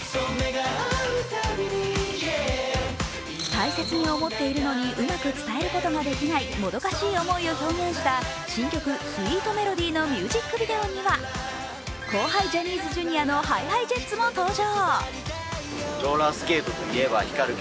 大切に思っているのにうまく伝えることができないもどかしい思いを表現した新曲「ＳｗｅｅｔＭｅｌｏｄｙ」には後輩ジャニーズＪｒ．のＨｉＨｉＪｅｔｓも登場。